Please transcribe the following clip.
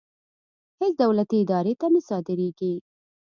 هېڅ دولتي ادارې ته نه صادرېږي.